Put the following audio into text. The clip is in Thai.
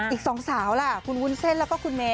อีกสองสาวล่ะคุณวุ้นเส้นแล้วก็คุณเมย